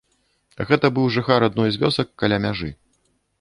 Гэта быў жыхар адной з вёсак каля мяжы.